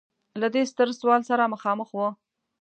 له دې ستر سوال سره مخامخ و.